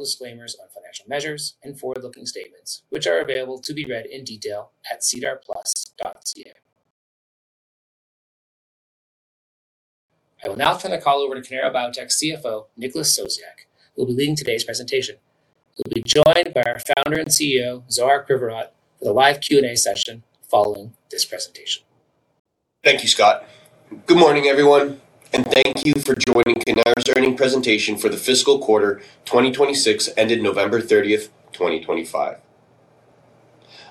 Disclaimers on financial measures and forward-looking statements, which are available to be read in detail at sedarplus.ca. I will now turn the call over to Cannara Biotech's CFO, Nicholas Sosiak, who will be leading today's presentation. He'll be joined by our founder and CEO, Zohar Krivorot, for the live Q&A session following this presentation. Thank you, Scott. Good morning, everyone, and thank you for joining Cannara's earnings presentation for the fiscal quarter 2026, ended November 30, 2025.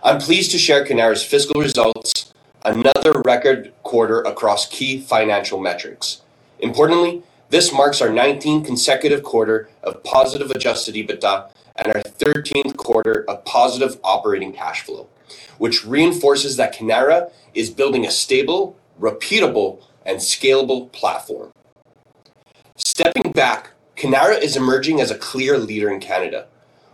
I'm pleased to share Cannara's fiscal results, another record quarter across key financial metrics. Importantly, this marks our 19th consecutive quarter of positive Adjusted EBITDA and our 13th quarter of positive operating cash flow, which reinforces that Cannara is building a stable, repeatable, and scalable platform. Stepping back, Cannara is emerging as a clear leader in Canada.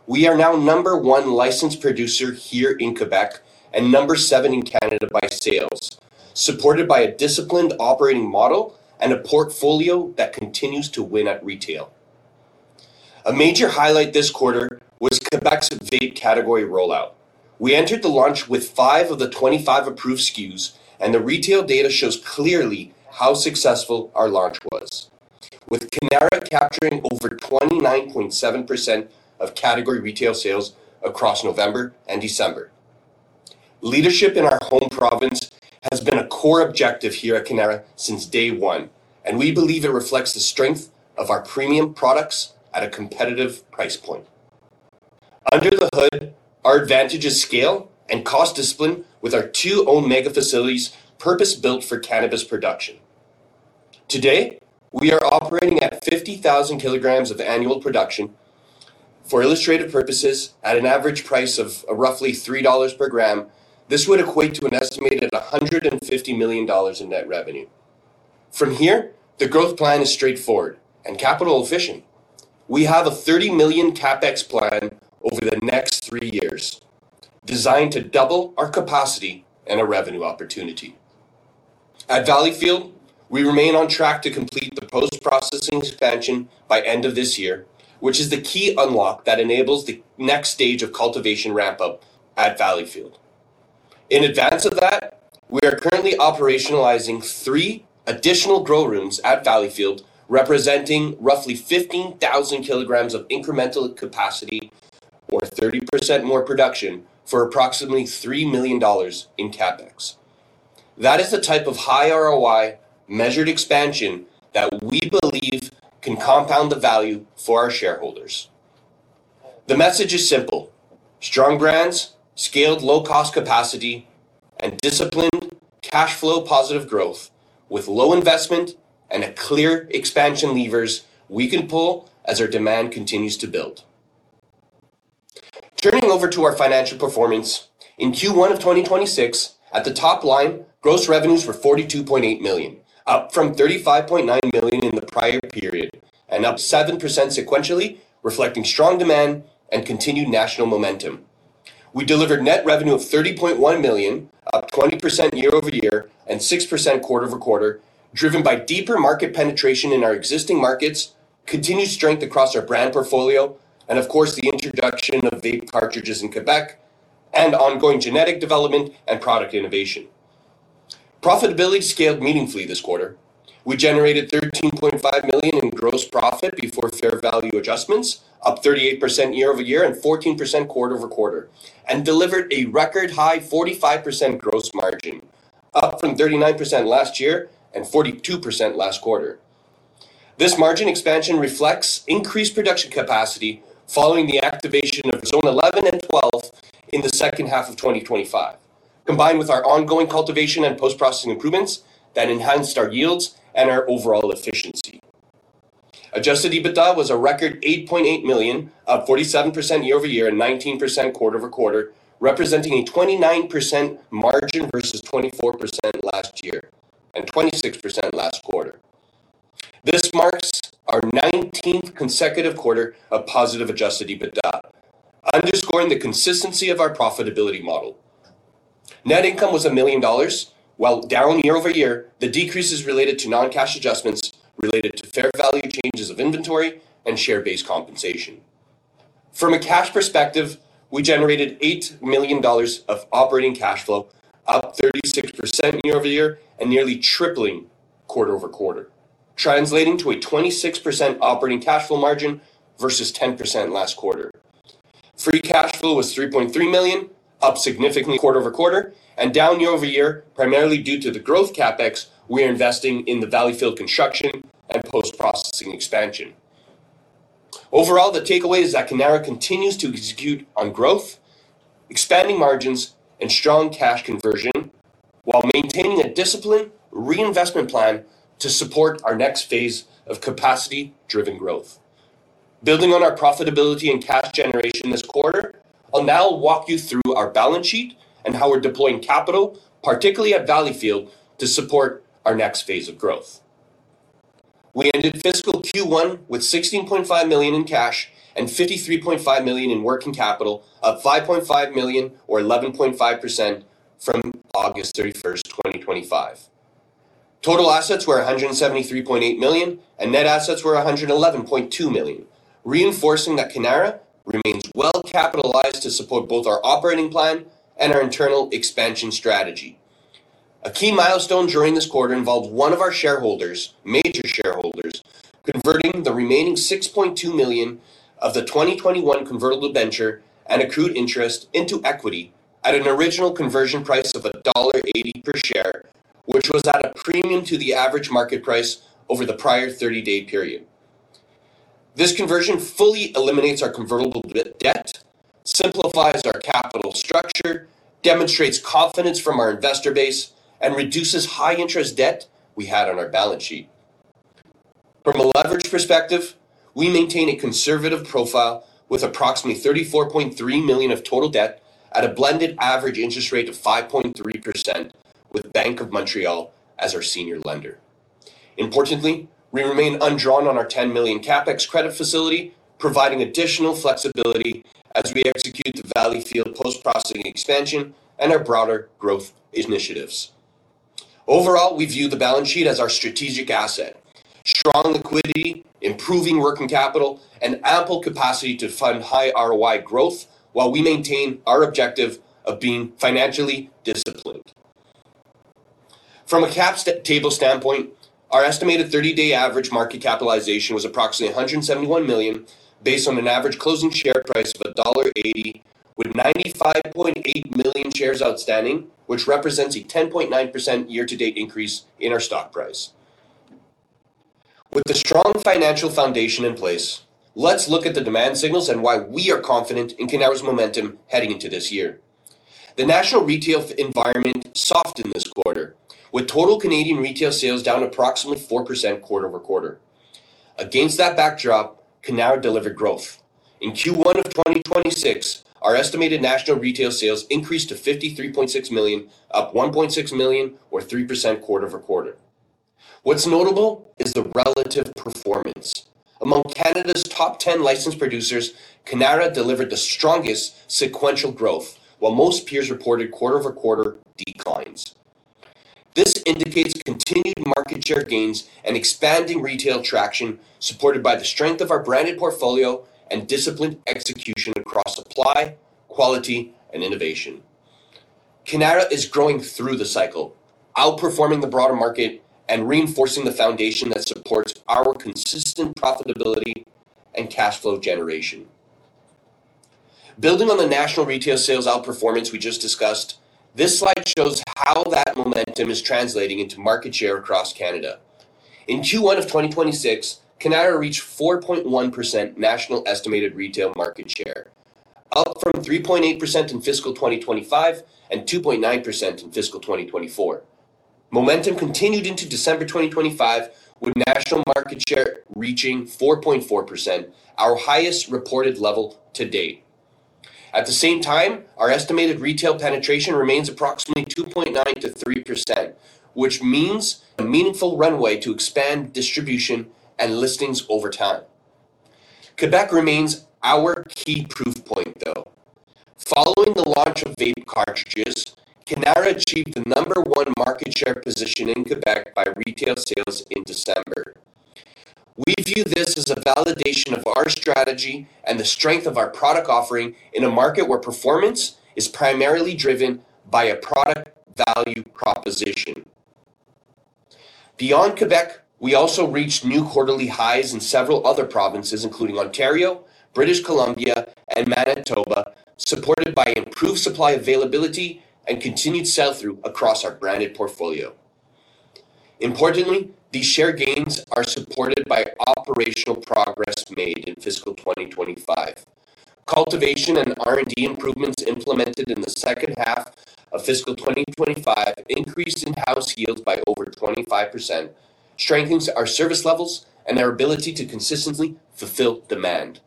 We are now number one licensed producer here in Quebec and number seven in Canada by sales, supported by a disciplined operating model and a portfolio that continues to win at retail. A major highlight this quarter was Quebec's vape category rollout. We entered the launch with five of the 25 approved SKUs, and the retail data shows clearly how successful our launch was, with Cannara capturing over 29.7% of category retail sales across November and December. Leadership in our home province has been a core objective here at Cannara since day one, and we believe it reflects the strength of our premium products at a competitive price point. Under the hood, our advantage is scale and cost discipline with our two own mega facilities purpose-built for cannabis production. Today, we are operating at 50,000 kg of annual production. For illustrative purposes, at an average price of roughly 3 dollars per gram, this would equate to an estimated 150 million dollars in net revenue. From here, the growth plan is straightforward and capital-efficient. We have a 30 million CapEx plan over the next three years, designed to double our capacity and our revenue opportunity. At Valleyfield, we remain on track to complete the post-processing expansion by the end of this year, which is the key unlock that enables the next stage of cultivation ramp-up at Valleyfield. In advance of that, we are currently operationalizing three additional grow rooms at Valleyfield, representing roughly 15,000 kg of incremental capacity or 30% more production for approximately 3 million dollars in CapEx. That is the type of high ROI measured expansion that we believe can compound the value for our shareholders. The message is simple: strong brands, scaled low-cost capacity, and disciplined cash flow positive growth with low investment and clear expansion levers we can pull as our demand continues to build. Turning over to our financial performance, in Q1 of 2026, at the top line, gross revenues were 42.8 million, up from 35.9 million in the prior period and up 7% sequentially, reflecting strong demand and continued national momentum. We delivered net revenue of 30.1 million, up 20% year-over-year and 6% quarter-over-quarter, driven by deeper market penetration in our existing markets, continued strength across our brand portfolio, and of course, the introduction of vape cartridges in Quebec and ongoing genetic development and product innovation. Profitability scaled meaningfully this quarter. We generated 13.5 million in gross profit before fair value adjustments, up 38% year-over-year and 14% quarter-over-quarter, and delivered a record-high 45% gross margin, up from 39% last year and 42% last quarter. This margin expansion reflects increased production capacity following the activation of Zone 11 and 12 in the second half of 2025, combined with our ongoing cultivation and post-processing improvements that enhanced our yields and our overall efficiency. Adjusted EBITDA was a record 8.8 million, up 47% year-over-year and 19% quarter-over-quarter, representing a 29% margin versus 24% last year and 26% last quarter. This marks our 19th consecutive quarter of positive Adjusted EBITDA, underscoring the consistency of our profitability model. Net income was 1 million dollars, while down year-over-year, the decrease is related to non-cash adjustments related to fair value changes of inventory and share-based compensation. From a cash perspective, we generated 8 million dollars of operating cash flow, up 36% year-over-year and nearly tripling quarter-over-quarter, translating to a 26% operating cash flow margin versus 10% last quarter. Free cash flow was 3.3 million, up significantly quarter-over-quarter, and down year-over-year, primarily due to the growth CapEx we are investing in the Valleyfield construction and post-processing expansion. Overall, the takeaway is that Cannara continues to execute on growth, expanding margins, and strong cash conversion while maintaining a disciplined reinvestment plan to support our next phase of capacity-driven growth. Building on our profitability and cash generation this quarter, I'll now walk you through our balance sheet and how we're deploying capital, particularly at Valleyfield, to support our next phase of growth. We ended fiscal Q1 with 16.5 million in cash and 53.5 million in working capital, up 5.5 million or 11.5% from August 31, 2025. Total assets were 173.8 million, and net assets were 111.2 million, reinforcing that Cannara remains well-capitalized to support both our operating plan and our internal expansion strategy. A key milestone during this quarter involved one of our shareholders, major shareholders, converting the remaining 6.2 million of the 2021 convertible debenture and accrued interest into equity at an original conversion price of dollar 1.80 per share, which was at a premium to the average market price over the prior 30-day period. This conversion fully eliminates our convertible debt, simplifies our capital structure, demonstrates confidence from our investor base, and reduces high-interest debt we had on our balance sheet. From a leverage perspective, we maintain a conservative profile with approximately 34.3 million of total debt at a blended average interest rate of 5.3%, with Bank of Montreal as our senior lender. Importantly, we remain undrawn on our 10 million CapEx credit facility, providing additional flexibility as we execute the Valleyfield post-processing expansion and our broader growth initiatives. Overall, we view the balance sheet as our strategic asset. Strong liquidity, improving working capital, and ample capacity to fund high ROI growth while we maintain our objective of being financially disciplined. From a cap table standpoint, our estimated 30-day average market capitalization was approximately 171 million based on an average closing share price of dollar 1.80, with 95.8 million shares outstanding, which represents a 10.9% year-to-date increase in our stock price. With the strong financial foundation in place, let's look at the demand signals and why we are confident in Cannara's momentum heading into this year. The national retail environment softened this quarter, with total Canadian retail sales down approximately 4% quarter-over-quarter. Against that backdrop, Cannara delivered growth. In Q1 of 2026, our estimated national retail sales increased to 53.6 million, up 1.6 million or 3% quarter-over-quarter. What's notable is the relative performance. Among Canada's top 10 licensed producers, Cannara delivered the strongest sequential growth, while most peers reported quarter-over-quarter declines. This indicates continued market share gains and expanding retail traction, supported by the strength of our branded portfolio and disciplined execution across supply, quality, and innovation. Cannara is growing through the cycle, outperforming the broader market and reinforcing the foundation that supports our consistent profitability and cash flow generation. Building on the national retail sales outperformance we just discussed, this slide shows how that momentum is translating into market share across Canada. In Q1 of 2026, Cannara reached 4.1% national estimated retail market share, up from 3.8% in fiscal 2025 and 2.9% in fiscal 2024. Momentum continued into December 2025, with national market share reaching 4.4%, our highest reported level to date. At the same time, our estimated retail penetration remains approximately 2.9%-3%, which means a meaningful runway to expand distribution and listings over time. Quebec remains our key proof point, though. Following the launch of vape cartridges, Cannara achieved the number one market share position in Quebec by retail sales in December. We view this as a validation of our strategy and the strength of our product offering in a market where performance is primarily driven by a product value proposition. Beyond Quebec, we also reached new quarterly highs in several other provinces, including Ontario, British Columbia, and Manitoba, supported by improved supply availability and continued sell-through across our branded portfolio. Importantly, these share gains are supported by operational progress made in fiscal 2025. Cultivation and R&D improvements implemented in the second half of fiscal 2025 increased in-house yields by over 25%, strengthening our service levels and our ability to consistently fulfill demand.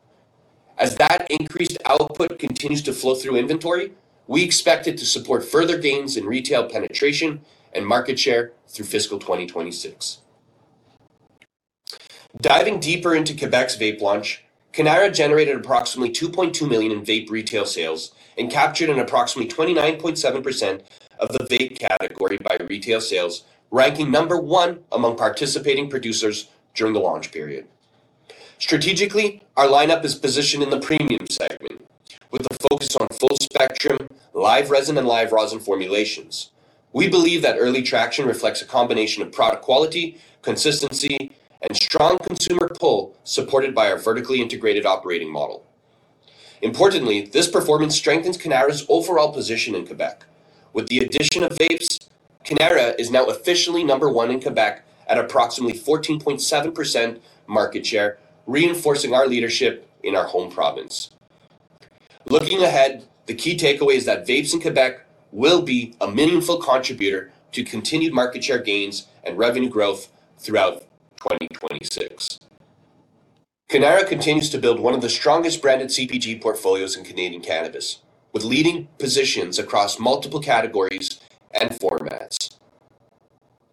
As that increased output continues to flow through inventory, we expect it to support further gains in retail penetration and market share through fiscal 2026. Diving deeper into Quebec's vape launch, Cannara generated approximately 2.2 million in vape retail sales and captured approximately 29.7% of the vape category by retail sales, ranking number one among participating producers during the launch period. Strategically, our lineup is positioned in the premium segment, with a focus on full-spectrum live resin and live rosin formulations. We believe that early traction reflects a combination of product quality, consistency, and strong consumer pull supported by our vertically integrated operating model. Importantly, this performance strengthens Cannara's overall position in Quebec. With the addition of vapes, Cannara is now officially number one in Quebec at approximately 14.7% market share, reinforcing our leadership in our home province. Looking ahead, the key takeaway is that vapes in Quebec will be a meaningful contributor to continued market share gains and revenue growth throughout 2026. Cannara continues to build one of the strongest branded CPG portfolios in Canadian cannabis, with leading positions across multiple categories and formats.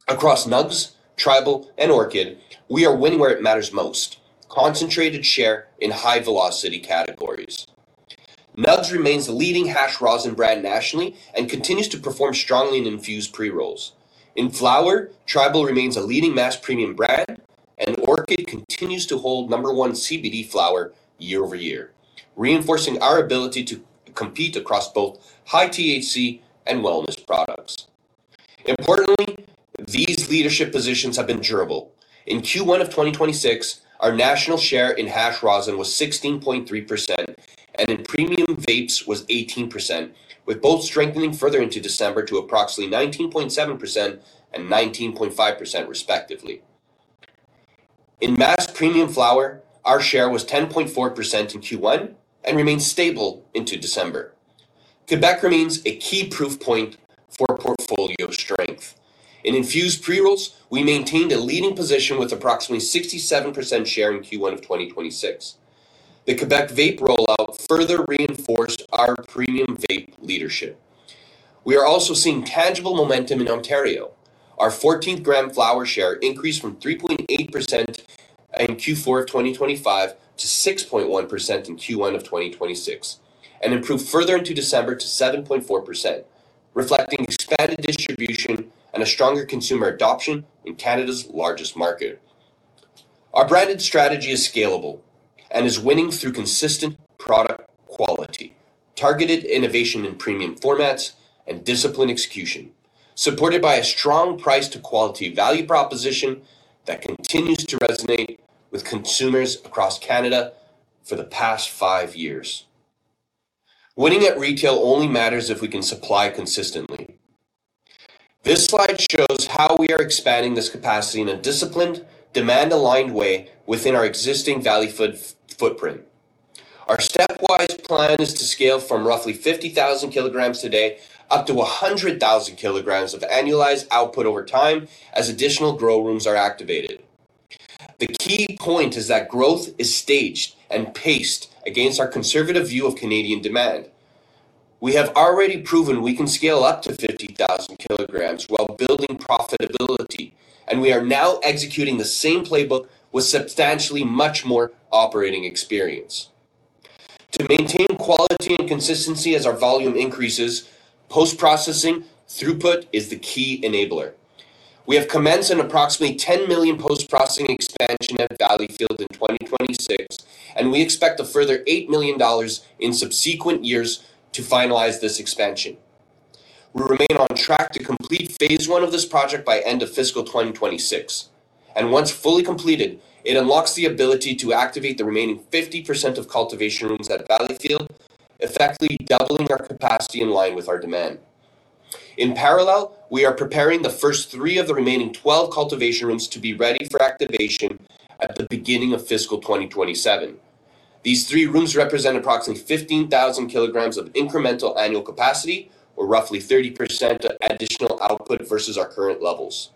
Across Nugz, Tribal, and Orchid, we are winning where it matters most: concentrated share in high-velocity categories. Nugz remains the leading hash rosin brand nationally and continues to perform strongly in infused pre-rolls. In flower, Tribal remains a leading mass premium brand, and Orchid continues to hold number one CBD flower year-over-year, reinforcing our ability to compete across both high THC and wellness products. Importantly, these leadership positions have been durable. In Q1 of 2026, our national share in hash rosin was 16.3%, and in premium vapes was 18%, with both strengthening further into December to approximately 19.7% and 19.5%, respectively. In mass premium flower, our share was 10.4% in Q1 and remained stable into December. Quebec remains a key proof point for portfolio strength. In infused pre-rolls, we maintained a leading position with approximately 67% share in Q1 of 2026. The Quebec vape rollout further reinforced our premium vape leadership. We are also seeing tangible momentum in Ontario. Our 14-gram flower share increased from 3.8% in Q4 of 2025 to 6.1% in Q1 of 2026 and improved further into December to 7.4%, reflecting expanded distribution and a stronger consumer adoption in Canada's largest market. Our branded strategy is scalable and is winning through consistent product quality, targeted innovation in premium formats, and disciplined execution, supported by a strong price-to-quality value proposition that continues to resonate with consumers across Canada for the past five years. Winning at retail only matters if we can supply consistently. This slide shows how we are expanding this capacity in a disciplined, demand-aligned way within our existing value footprint. Our stepwise plan is to scale from roughly 50,000 kg a day up to 100,000 kg of annualized output over time as additional grow rooms are activated. The key point is that growth is staged and paced against our conservative view of Canadian demand. We have already proven we can scale up to 50,000 kg while building profitability, and we are now executing the same playbook with substantially much more operating experience. To maintain quality and consistency as our volume increases, post-processing throughput is the key enabler. We have commenced an approximately 10 million post-processing expansion at Valleyfield in 2026, and we expect a further 8 million dollars in subsequent years to finalize this expansion. We remain on track to complete phase one of this project by end of fiscal 2026, and once fully completed, it unlocks the ability to activate the remaining 50% of cultivation rooms at Valleyfield, effectively doubling our capacity in line with our demand. In parallel, we are preparing the first three of the remaining 12 cultivation rooms to be ready for activation at the beginning of fiscal 2027. These three rooms represent approximately 15,000 kg of incremental annual capacity, or roughly 30% additional output versus our current levels.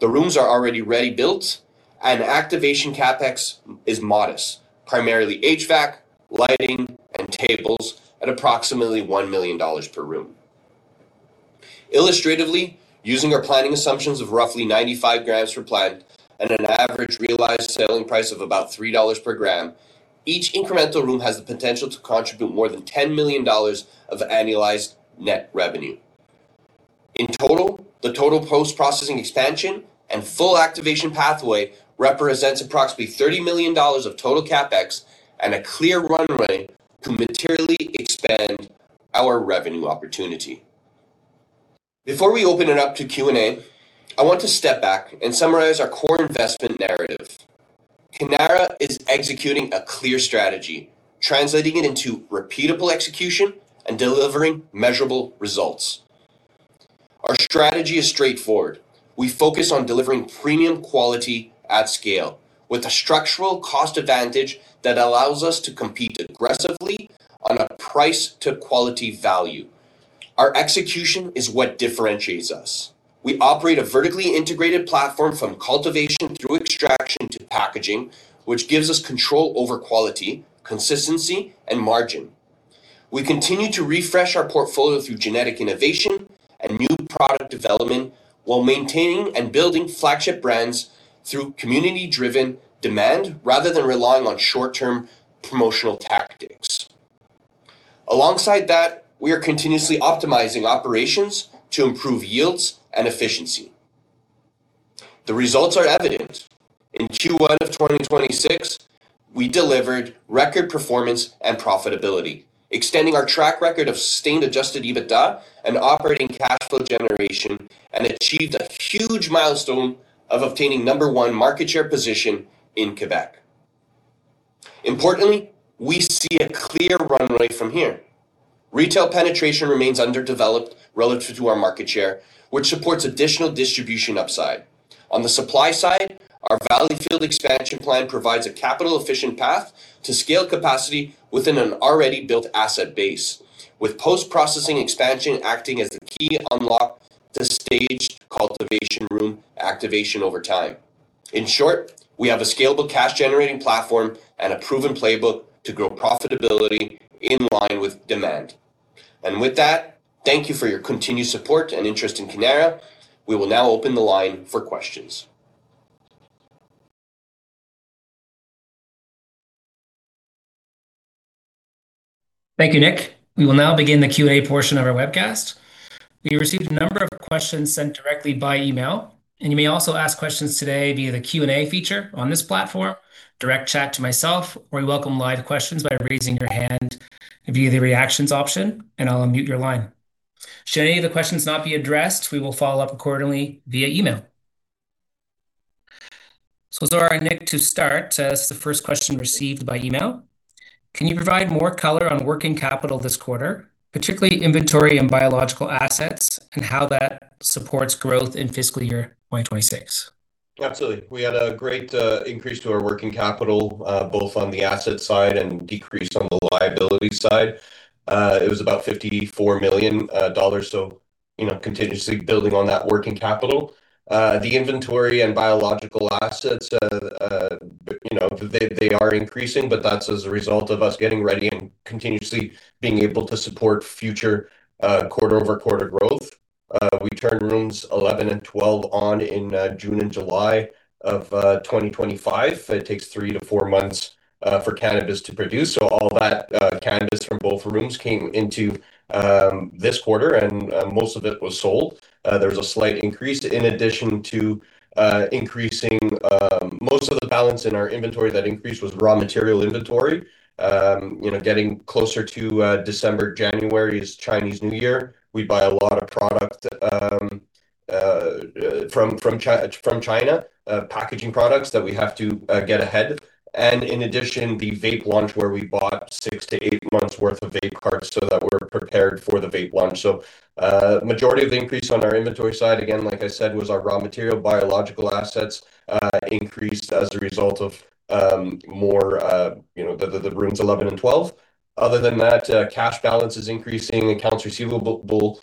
The rooms are already ready-built, and activation CapEx is modest, primarily HVAC, lighting, and tables at approximately 1 million dollars per room. Illustratively, using our planning assumptions of roughly 95 grams per plant and an average realized selling price of about 3 dollars per gram, each incremental room has the potential to contribute more than 10 million dollars of annualized net revenue. In total, the total post-processing expansion and full activation pathway represents approximately 30 million dollars of total CapEx and a clear runway to materially expand our revenue opportunity. Before we open it up to Q&A, I want to step back and summarize our core investment narrative. Cannara is executing a clear strategy, translating it into repeatable execution and delivering measurable results. Our strategy is straightforward. We focus on delivering premium quality at scale, with a structural cost advantage that allows us to compete aggressively on a price-to-quality value. Our execution is what differentiates us. We operate a vertically integrated platform from cultivation through extraction to packaging, which gives us control over quality, consistency, and margin. We continue to refresh our portfolio through genetic innovation and new product development while maintaining and building flagship brands through community-driven demand rather than relying on short-term promotional tactics. Alongside that, we are continuously optimizing operations to improve yields and efficiency. The results are evident. In Q1 of 2026, we delivered record performance and profitability, extending our track record of sustained Adjusted EBITDA and operating cash flow generation, and achieved a huge milestone of obtaining number one market share position in Quebec. Importantly, we see a clear runway from here. Retail penetration remains underdeveloped relative to our market share, which supports additional distribution upside. On the supply side, our Valleyfield expansion plan provides a capital-efficient path to scale capacity within an already built asset base, with post-processing expansion acting as the key unlock to staged cultivation room activation over time. In short, we have a scalable cash-generating platform and a proven playbook to grow profitability in line with demand. And with that, thank you for your continued support and interest in Cannara. We will now open the line for questions. Thank you, Nick. We will now begin the Q&A portion of our webcast. We received a number of questions sent directly by email, and you may also ask questions today via the Q&A feature on this platform, direct chat to myself, or you welcome live questions by raising your hand via the reactions option, and I'll unmute your line. Should any of the questions not be addressed, we will follow up accordingly via email. I'll over it our to Nick to start. This is the first question received by email. Can you provide more color on working capital this quarter, particularly inventory and biological assets, and how that supports growth in fiscal year 2026? Absolutely. We had a great increase to our working capital, both on the asset side and decrease on the liability side. It was about 54 million dollars, so continuously building on that working capital. The inventory and biological assets, they are increasing, but that's as a result of us getting ready and continuously being able to support future quarter-over-quarter growth. We turned rooms 11 and 12 on in June and July of 2025. It takes three to four months for cannabis to produce. So all that cannabis from both rooms came into this quarter, and most of it was sold. There was a slight increase in addition to increasing most of the balance in our inventory. That increase was raw material inventory. Getting closer to December, January is Chinese New Year. We buy a lot of product from China, packaging products that we have to get ahead. And in addition, the vape launch where we bought six-eight months' worth of vape carts so that we're prepared for the vape launch. So majority of the increase on our inventory side, again, like I said, was our raw material, biological assets increased as a result of more the rooms 11 and 12. Other than that, cash balance is increasing, accounts receivable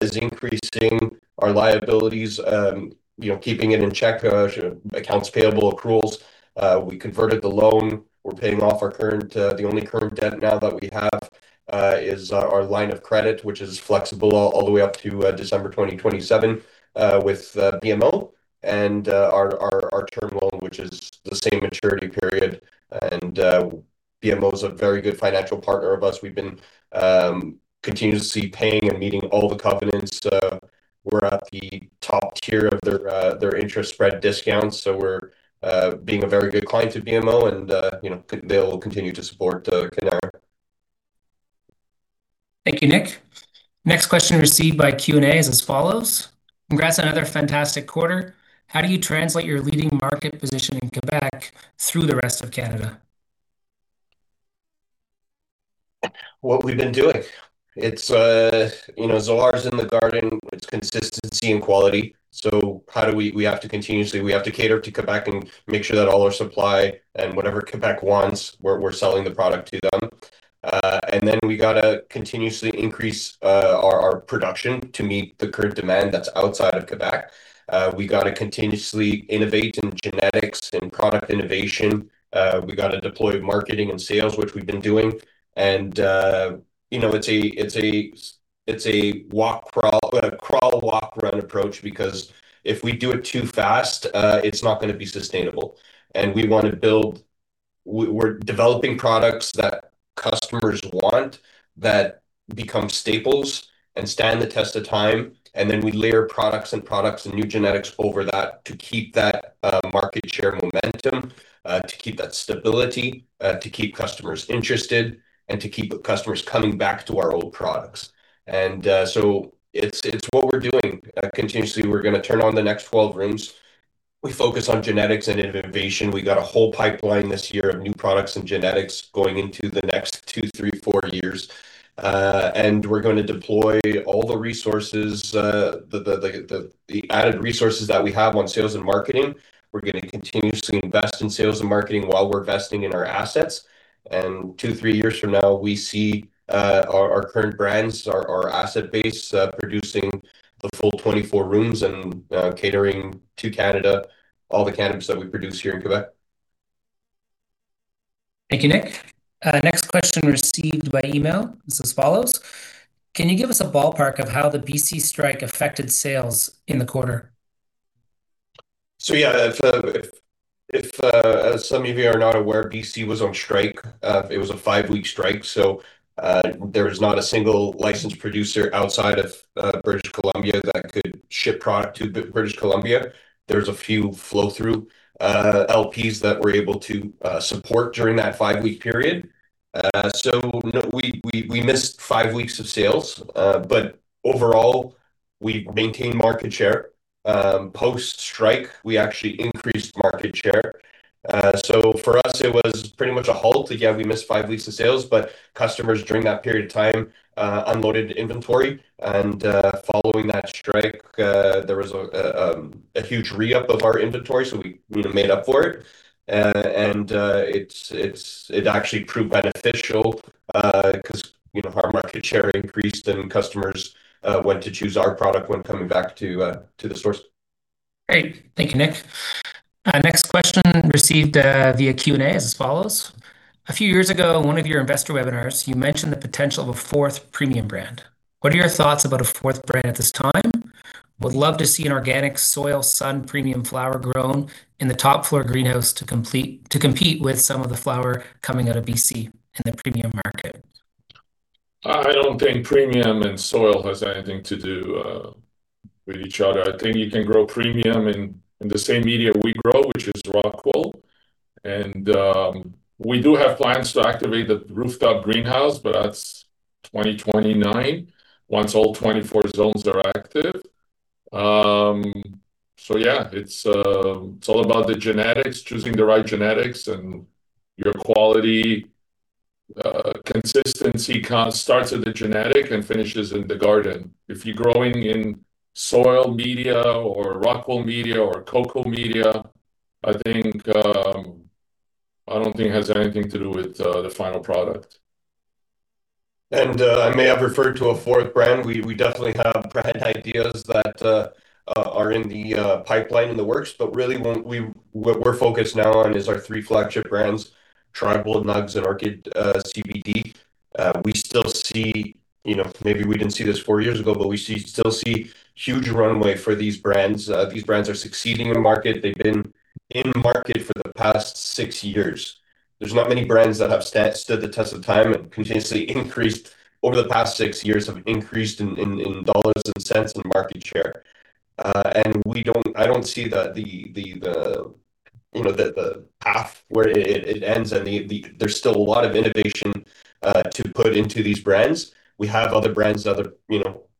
is increasing, our liabilities, keeping it in check, accounts payable, accruals. We converted the loan. We're paying off our current, the only current debt now that we have is our line of credit, which is flexible all the way up to December 2027 with BMO and our term loan, which is the same maturity period. BMO is a very good financial partner of us. We've been continuously paying and meeting all the covenants. We're at the top tier of their interest spread discounts, so we're being a very good client to BMO, and they'll continue to support Cannara. Thank you, Nick. Next question received by Q&A is as follows. Congrats on another fantastic quarter. How do you translate your leading market position in Quebec through the rest of Canada? What we've been doing. Zohar's in the garden. It's consistency and quality. So we have to continuously cater to Quebec and make sure that all our supply and whatever Quebec wants, we're selling the product to them. And then we got to continuously increase our production to meet the current demand that's outside of Quebec. We got to continuously innovate in genetics and product innovation. We got to deploy marketing and sales, which we've been doing. And it's a crawl, walk, run approach because if we do it too fast, it's not going to be sustainable. And we're developing products that customers want that become staples and stand the test of time. And then we layer products and products and new genetics over that to keep that market share momentum, to keep that stability, to keep customers interested, and to keep customers coming back to our old products. And so it's what we're doing continuously. We're going to turn on the next 12 rooms. We focus on genetics and innovation. We got a whole pipeline this year of new products and genetics going into the next two, three, four years. And we're going to deploy all the resources, the added resources that we have on sales and marketing. We're going to continuously invest in sales and marketing while we're investing in our assets. And two, three years from now, we see our current brands, our asset base, producing the full 24 rooms and catering to Canada, all the cannabis that we produce here in Quebec. Thank you, Nick. Next question received by email is as follows. Can you give us a ballpark of how the BC strike affected sales in the quarter? So yeah, if some of you are not aware, BC was on strike. It was a five-week strike. So there was not a single licensed producer outside of British Columbia that could ship product to British Columbia. There were a few flow-through LPs that were able to support during that 5-week period. So we missed five weeks of sales. But overall, we maintained market share. Post-strike, we actually increased market share. So for us, it was pretty much a halt again. We missed 5 weeks of sales, but customers during that period of time unloaded inventory. And following that strike, there was a huge re-up of our inventory, so we made up for it. And it actually proved beneficial because our market share increased and customers went to choose our product when coming back to the source. Great. Thank you, Nick. Next question received via Q&A as follows. A few years ago, one of your investor webinars, you mentioned the potential of a fourth premium brand. What are your thoughts about a fourth brand at this time? Would love to see an organic soil sun premium flower grown in the top floor greenhouse to compete with some of the flower coming out of BC in the premium market. I don't think premium and soil has anything to do with each other. I think you can grow premium in the same media we grow, which is Rockwool. And we do have plans to activate the rooftop greenhouse, but that's 2029 once all 24 zones are active. So yeah, it's all about the genetics, choosing the right genetics, and your quality consistency starts at the genetic and finishes in the garden. If you're growing in soil media or Rockwool media or coco media, I don't thin k it has anything to do with the final product. I may have referred to a fourth brand. We definitely have brand ideas that are in the pipeline, in the works. Really, what we're focused now on is our three flagship brands, Tribal, Nugz, and Orchid CBD. We still see maybe we didn't see this four years ago, but we still see huge runway for these brands. These brands are succeeding in market. They've been in market for the past six years. There's not many brands that have stood the test of time and continuously increased over the past six years have increased in dollars and cents in market share. I don't see the path where it ends, and there's still a lot of innovation to put into these brands. We have other brands, other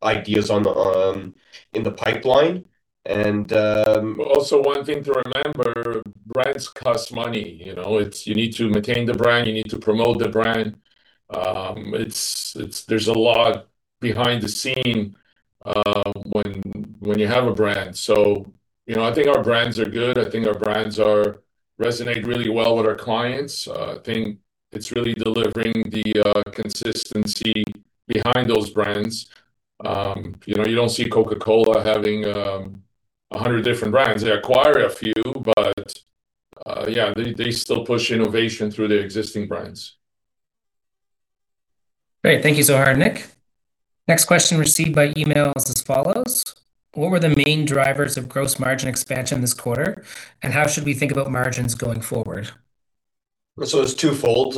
ideas in the pipeline. Also one thing to remember, brands cost money. You need to maintain the brand. You need to promote the brand. There's a lot behind the scenes when you have a brand. So I think our brands are good. I think our brands resonate really well with our clients. I think it's really delivering the consistency behind those brands. You don't see Coca-Cola having 100 different brands. They acquire a few, but yeah, they still push innovation through their existing brands. Great. Thank you so much, Zohar and Nick. Next question received by email is as follows. What were the main drivers of gross margin expansion this quarter, and how should we think about margins going forward? So it's two fold.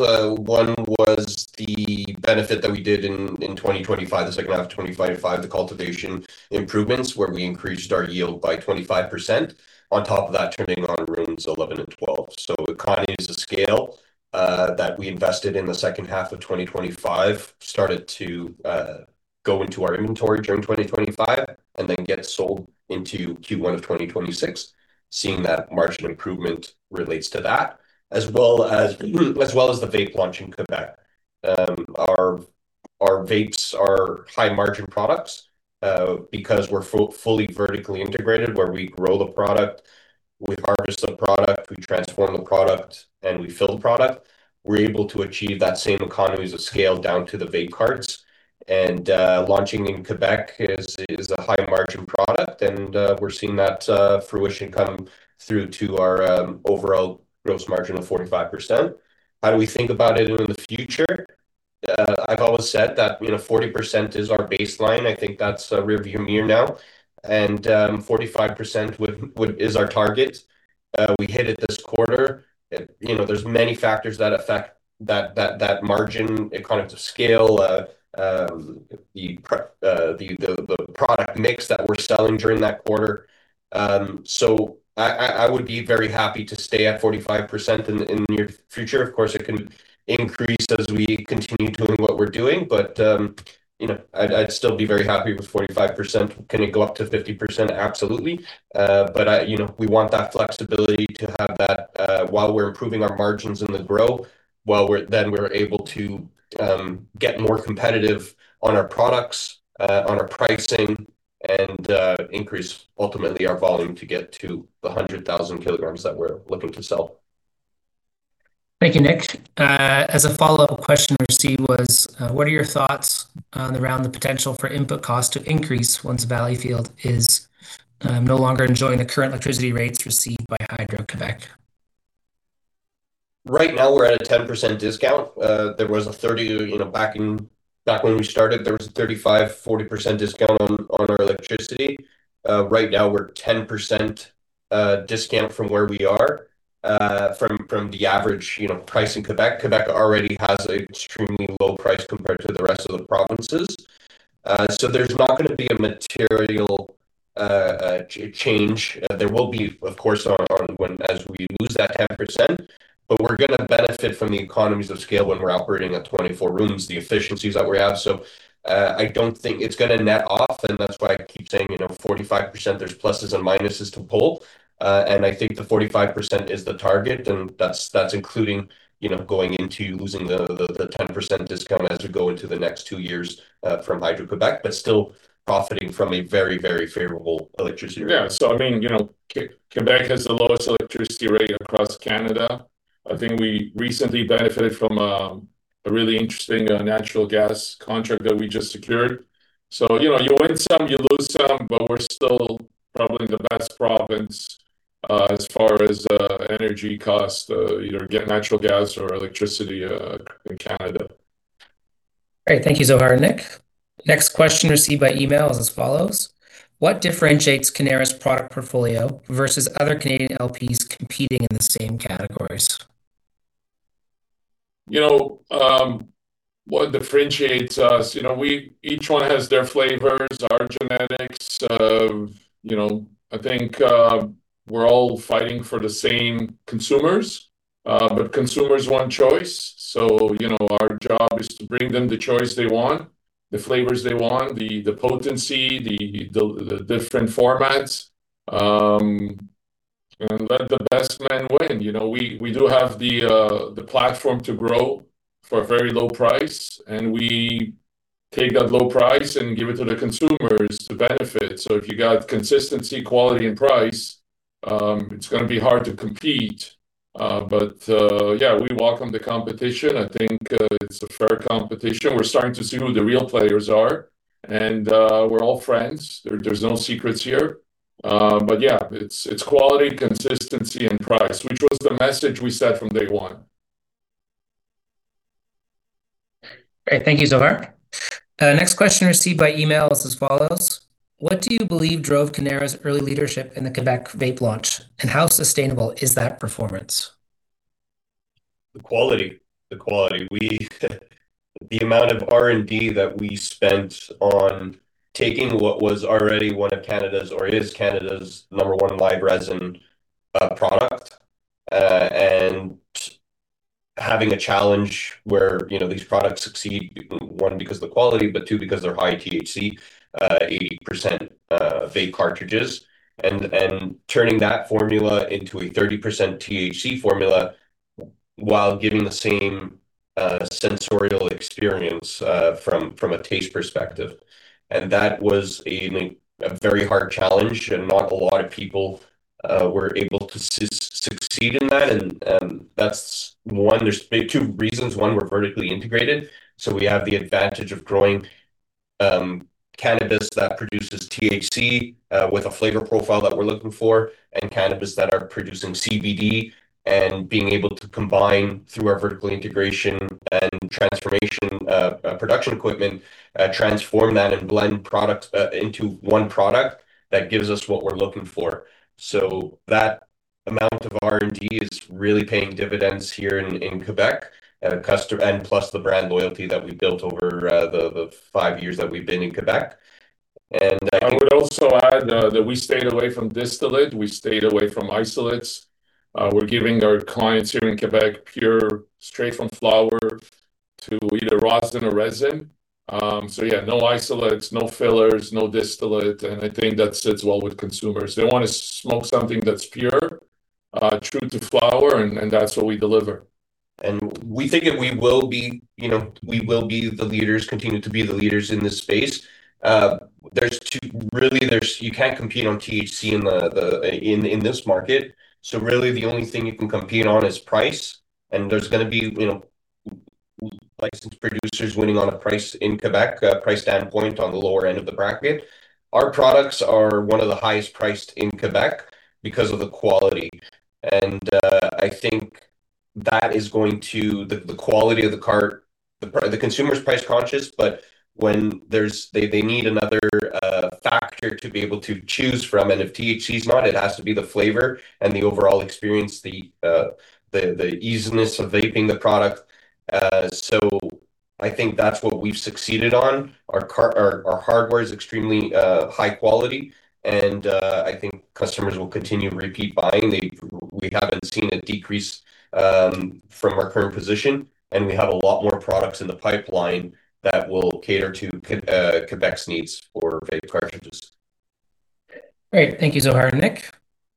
One was the benefit that we did in 2025, the second half of 2025, the cultivation improvements where we increased our yield by 25% on top of that turning on rooms 11 and 12. So economies of scale that we invested in the second half of 2025 started to go into our inventory during 2025 and then get sold into Q1 of 2026, seeing that margin improvement relates to that, as well as the vape launch in Quebec. Our vapes are high-margin products because we're fully vertically integrated where we grow the product. We harvest the product. We transform the product, and we fill the product. We're able to achieve that same economies of scale down to the vape carts. And launching in Quebec is a high-margin product, and we're seeing that fruition come through to our overall gross margin of 45%. How do we think about it in the future? I've always said that 40% is our baseline. I think that's a rearview mirror now. 45% is our target. We hit it this quarter. There's many factors that affect that margin, economies of scale, the product mix that we're selling during that quarter. So I would be very happy to stay at 45% in the near future. Of course, it can increase as we continue doing what we're doing, but I'd still be very happy with 45%. Can it go up to 50%? Absolutely. But we want that flexibility to have that while we're improving our margins and the grow, while then we're able to get more competitive on our products, on our pricing, and increase ultimately our volume to get to the 100,000 kilograms that we're looking to sell. Thank you, Nick. As a follow-up question received was, what are your thoughts around the potential for input cost to increase once Valleyfield is no longer enjoying the current electricity rates received by Hydro-Québec? Right now, we're at a 10% discount. There was a 30% back when we started, there was a 35%-40% discount on our electricity. Right now, we're 10% discount from where we are, from the average price in Quebec. Quebec already has an extremely low price compared to the rest of the provinces. So there's not going to be a material change. There will be, of course, as we lose that 10%, but we're going to benefit from the economies of scale when we're operating at 24 rooms, the efficiencies that we have. So I don't think it's going to net off, and that's why I keep saying 45%. There's pluses and minuses to pull. I think the 45% is the target, and that's including going into losing the 10% discount as we go into the next two years from Hydro-Québec, but still profiting from a very, very favorable electricity rate. Yeah. So I mean, Québec has the lowest electricity rate across Canada. I think we recently benefited from a really interesting natural gas contract that we just secured. So you win some, you lose some, but we're still probably the best province as far as energy costs, either getting natural gas or electricity in Canada. Great. Thank you so much, Zohar and Nick. Next question received by email is as follows. What differentiates Cannara's product portfolio versus other Canadian LPs competing in the same categories? What differentiates us? Each one has their flavors, our genetics. I think we're all fighting for the same consumers, but consumers want choice. So our job is to bring them the choice they want, the flavors they want, the potency, the different formats, and let the best man win. We do have the platform to grow for a very low price, and we take that low price and give it to the consumers to benefit. So if you got consistency, quality, and price, it's going to be hard to compete. But yeah, we welcome the competition. I think it's a fair competition. We're starting to see who the real players are, and we're all friends. There's no secrets here. But yeah, it's quality, consistency, and price, which was the message we set from day one. Great. Thank you Zohar. Next question received by email is as follows. What do you believe drove Cannara's early leadership in the Quebec vape launch, and how sustainable is that performance? The quality. The quality. The amount of R&D that we spent on taking what was already one of Canada's or is Canada's number one live rosin product and having a challenge where these products succeed, one because of the quality, but two because they're high THC, 80% vape cartridges, and turning that formula into a 30% THC formula while giving the same sensorial experience from a taste perspective. That was a very hard challenge, and not a lot of people were able to succeed in that. That's one. There are two reasons. One, we're vertically integrated. We have the advantage of growing cannabis that produces THC with a flavor profile that we're looking for and cannabis that are producing CBD and being able to combine through our vertical integration and transformation production equipment, transform that and blend product into one product that gives us what we're looking for. So that amount of R&D is really paying dividends here in Quebec, and plus the brand loyalty that we built over the five years that we've been in Quebec. I would also add that we stayed away from distillate. We stayed away from isolates. We're giving our clients here in Quebec pure straight from flower to either rosin or resin. So yeah, no isolates, no fillers, no distillate. I think that sits well with consumers. They want to smoke something that's pure, true to flower, and that's what we deliver. We think that we will be we will be the leaders, continue to be the leaders in this space. Really, you can't compete on THC in this market. So really, the only thing you can compete on is price. There's going to be licensed producers winning on a price in Quebec, price standpoint on the lower end of the bracket. Our products are one of the highest priced in Quebec because of the quality. I think that is going to the quality of the cart. The consumer's price-conscious, but they need another factor to be able to choose from. If THC is not, it has to be the flavor and the overall experience, the easiness of vaping the product. So I think that's what we've succeeded on. Our hardware is extremely high quality, and I think customers will continue to repeat buying. We haven't seen a decrease from our current position, and we have a lot more products in the pipeline that will cater to Quebec's needs for vape cartridges. Great. Thank you so much, Nick.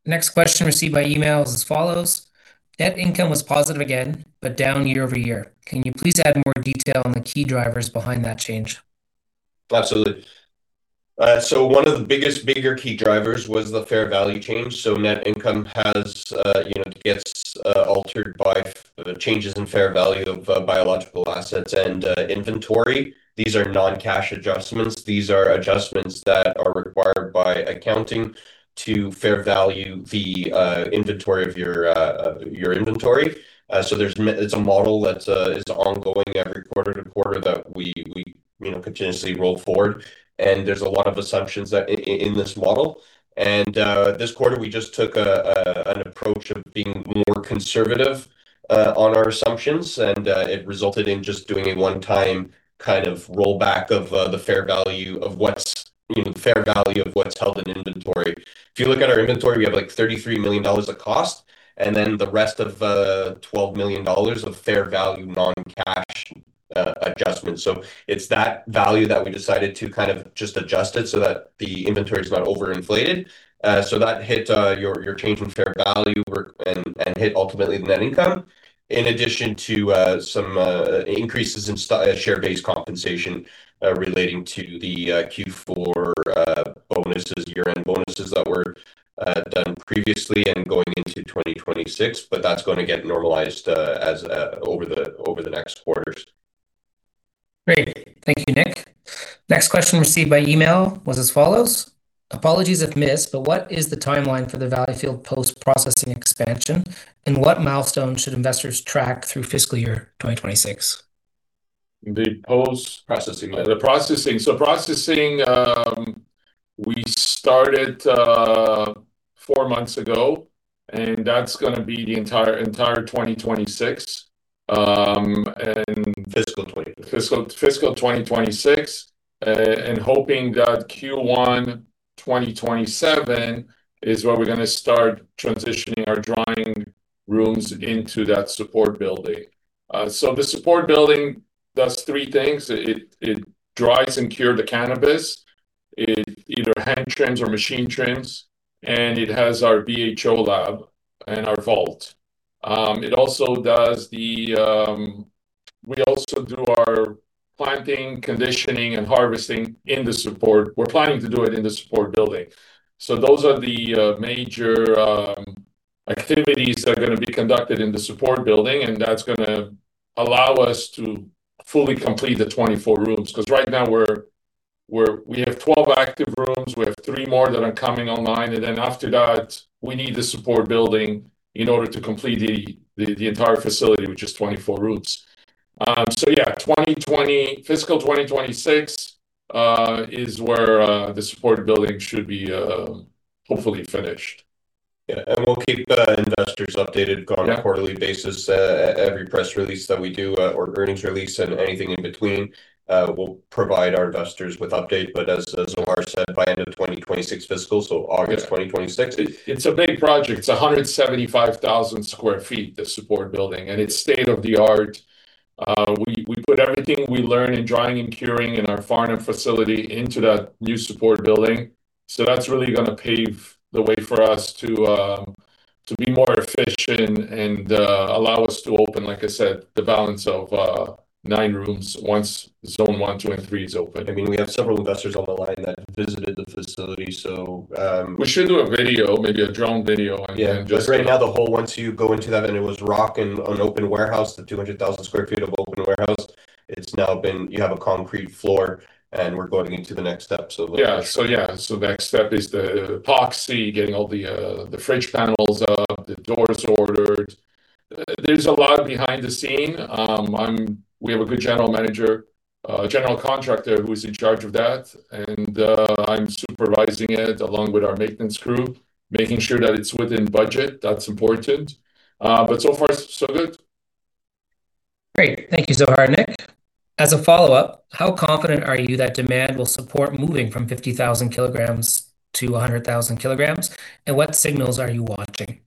Next question received by email is as follows. Net income was positive again, but down year-over-year. Can you please add more detail on the key drivers behind that change? Absolutely. So one of the bigger key drivers was the fair value change. So net income gets altered by changes in fair value of biological assets and inventory. These are non-cash adjustments. These are adjustments that are required by accounting to fair value the inventory of your inventory. So it's a model that is ongoing every quarter to quarter that we continuously roll forward. And there's a lot of assumptions in this model. And this quarter, we just took an approach of being more conservative on our assumptions, and it resulted in just doing a one-time kind of rollback of the fair value of what's fair value of what's held in inventory. If you look at our inventory, we have like 33 million dollars of cost, and then the rest of 12 million dollars of fair value non-cash adjustments. So it's that value that we decided to kind of just adjust it so that the inventory is not overinflated. So that hit your change in fair value and hit ultimately the net income, in addition to some increases in share-based compensation relating to the Q4 bonuses, year-end bonuses that were done previously and going into 2026, but that's going to get normalized over the next quarters. Great. Thank you, Nick. Next question received by email was as follows. Apologies if missed, but what is the timeline for the Valleyfield post-processing expansion, and what milestones should investors track through fiscal year 2026? The post-processing. So processing, we started 4 months ago, and that's going to be the entire 2026 and fiscal 2026. Hoping that Q1 2027 is where we're going to start transitioning our drying rooms into that support building. The support building does 3 things. It dries and cures the cannabis. It either hand trims or machine trims, and it has our BHO lab and our vault. We also do our planting, conditioning, and harvesting in the support. We're planning to do it in the support building. Those are the major activities that are going to be conducted in the support building, and that's going to allow us to fully complete the 24 rooms. Because right now, we have 12 active rooms. We have 3 more that are coming online. Then after that, we need the support building in order to complete the entire facility, which is 24 rooms. Yeah, fiscal 2026 is where the support building should be hopefully finished. Yeah. We'll keep investors updated on a quarterly basis. Every press release that we do, or earnings release, and anything in between, we'll provide our investors with updates. But as Zohar said, by end of 2026 fiscal, so August 2026. It's a big project. It's 175,000 sq ft, the support building, and it's state-of-the-art. We put everything we learn in drying and curing in our Farnham facility into that new support building. So that's really going to pave the way for us to be more efficient and allow us to open, like I said, the balance of 9 rooms once zone 1, 2, and 3 is open. I mean, we have several investors on the line that visited the facility, so. We should do a video, maybe a drone video, and just. Yeah. Right now, the whole once you go into that, and it was rock and an open warehouse, the 200,000 sq ft of open warehouse. It's now been you have a concrete floor, and we're going into the next steps. Yeah. So the next step is the epoxy, getting all the fridge panels up, the doors ordered. There's a lot behind the scenes. We have a good general manager, general contractor who is in charge of that, and I'm supervising it along with our maintenance crew, making sure that it's within budget. That's important. But so far, so good. Great. Thank you Zohar and Nick. As a follow-up, how confident are you that demand will support moving from 50,000 kilograms to 100,000 kilograms? And what signals are you watching?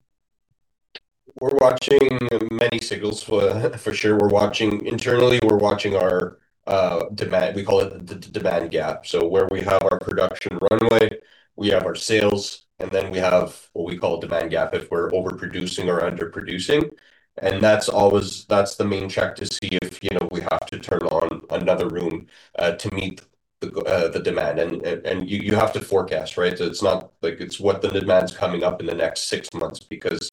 We're watching many signals for sure. Internally, we're watching our demand. We call it the demand gap. So where we have our production runway, we have our sales, and then we have what we call demand gap if we're overproducing or underproducing. And that's the main check to see if we have to turn on another room to meet the demand. And you have to forecast, right? So it's not like it's what the demand's coming up in the next six months because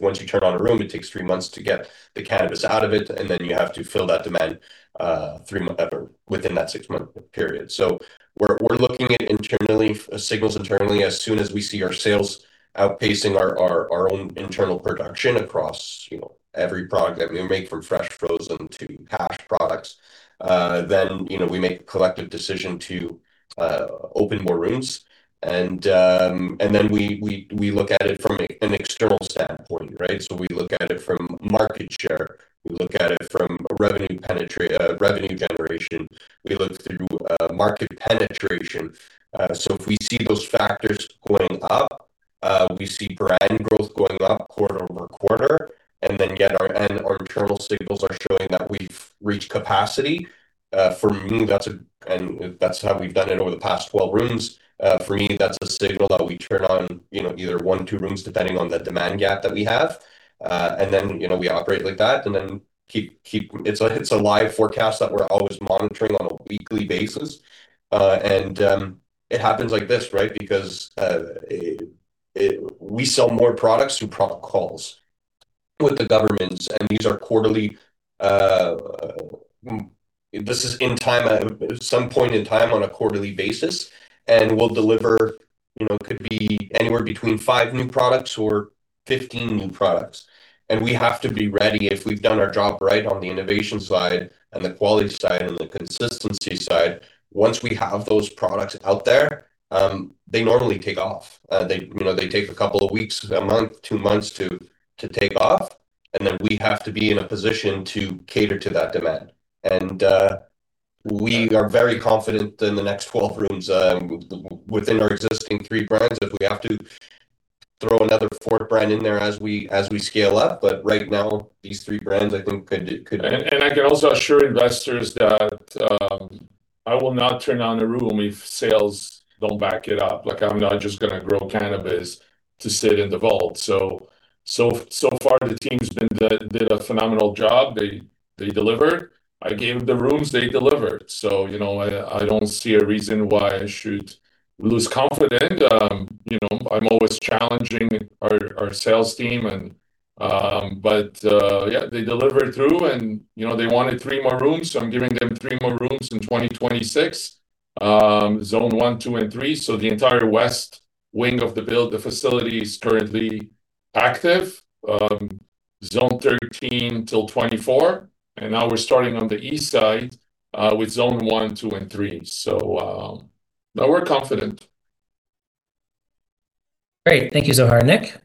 once you turn on a room, it takes three months to get the cannabis out of it, and then you have to fill that demand within that six-month period. So we're looking at signals internally. As soon as we see our sales outpacing our own internal production across every product that we make from fresh frozen to hash products, then we make a collective decision to open more rooms. And then we look at it from an external standpoint, right? So we look at it from market share. We look at it from revenue generation. We look through market penetration. So if we see those factors going up, we see brand growth going up quarter-over-quarter. And then yet our internal signals are showing that we've reached capacity. For me, that's how we've done it over the past 12 rooms. For me, that's a signal that we turn on either one, two rooms, depending on the demand gap that we have. And then we operate like that. And then it's a live forecast that we're always monitoring on a weekly basis. And it happens like this, right? Because we sell more products through protocols with the governments. And these are quarterly. This is in time, at some point in time, on a quarterly basis. And we'll deliver could be anywhere between five new products or 15 new products. And we have to be ready if we've done our job right on the innovation side and the quality side and the consistency side. Once we have those products out there, they normally take off. They take a couple of weeks, a month, two months to take off. And then we have to be in a position to cater to that demand. And we are very confident in the next 12 rooms within our existing three brands if we have to throw another fourth brand in there as we scale up. But right now, these three brands, I think, could. And I can also assure investors that I will not turn on a room if sales don't back it up. I'm not just going to grow cannabis to sit in the vault. So far, the team's did a phenomenal job. They delivered. I gave the rooms. They delivered. So I don't see a reason why I should lose confidence. I'm always challenging our sales team. But yeah, they delivered through. And they wanted three more rooms, so I'm giving them three more rooms in 2026, Zone 1, 2, and 3. So the entire west wing of the build, the facility is currently active, Zone 13 till 24. And now we're starting on the east side with Zone 1, 2, and 3. So we're confident. Great. Thank you, Zohar, Nick.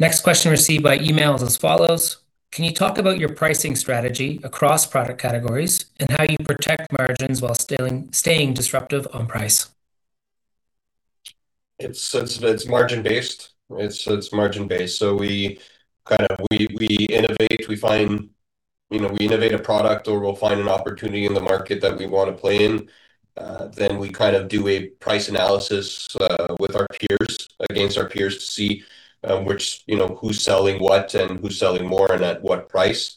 Next question received by email is as follows. Can you talk about your pricing strategy across product categories and how you protect margins while staying disruptive on price? It's margin-based. It's margin-based. So we kind of innovate. We find a product or we'll find an opportunity in the market that we want to play in. Then we kind of do a price analysis with our peers, against our peers, to see who's selling what and who's selling more and at what price.